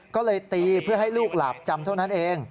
ก็เลยตีเพื่อให้ลูกหลาบจำเท่านั้นเอง